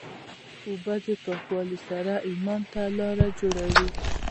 اوبه د پاکوالي سره ایمان ته لاره جوړوي.